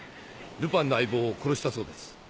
ルパンの相棒を殺したそうです。